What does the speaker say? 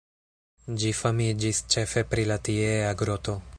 Ĝi famiĝis ĉefe pri la tiea groto.